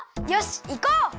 よしいこう！